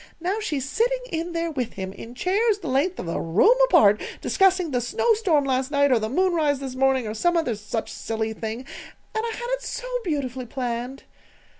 Now she's sitting in there with him, in chairs the length of the room apart, discussing the snowstorm last night or the moonrise this morning or some other such silly thing. And I had it so beautifully planned!"